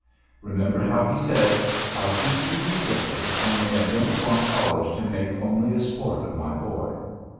Remember how he said, "I'll keep you decently, only I don't want College to make only a sport of my boy."